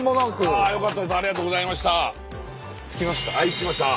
はい着きました。